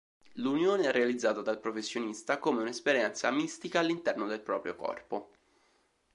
L'unione è realizzata dal professionista come un'esperienza mistica all'interno del proprio corpo.